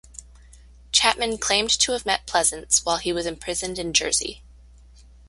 Chapman claimed to have met Pleasants while he was imprisoned in Jersey.